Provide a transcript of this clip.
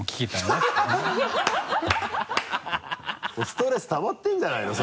ストレスたまってるんじゃないの？